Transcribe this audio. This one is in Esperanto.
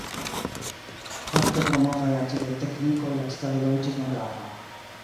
Fakte pro novaj artileriteknikoj la citadelo iĝis malgrava.